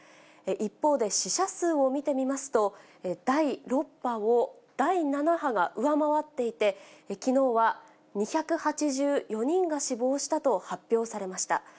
一方で、死者数を見てみますと、第６波を第７波が上回っていて、きのうは２８４人が死亡したと発表されました。